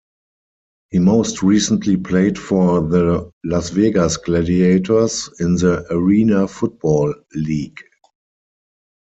He most recently played for the Las Vegas Gladiators in the Arena Football League.